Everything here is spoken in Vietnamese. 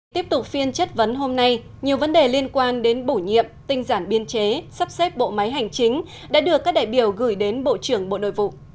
tiếp tục phiên chất vấn hôm nay nhiều vấn đề liên quan đến bổ nhiệm tinh giản biên chế sắp xếp bộ máy hành chính đã được các đại biểu gửi đến bộ trưởng bộ nội vụ